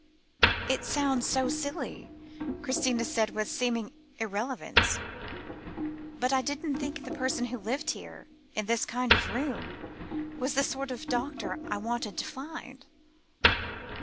"It sounds so silly," Christina said with seeming irrelevance, "but I didn't think the person who lived in this kind of room was the sort of doctor I wanted to find."